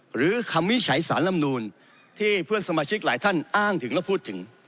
หรือคำวิจัยสารลำนูนที่เพื่อนสมาชิกหลายท่านอ้างถึงและพูดถึง